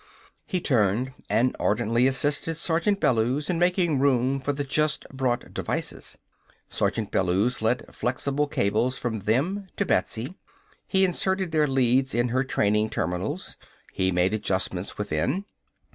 He turned and ardently assisted Sergeant Bellews in making room for the just brought devices. Sergeant Bellews led flexible cables from them to Betsy. He inserted their leads in her training terminals. He made adjustments within.